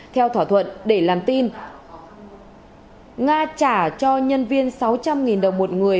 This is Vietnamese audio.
theo thỏa thuận để làm tin nga trả cho nhân viên sáu trăm linh đồng một người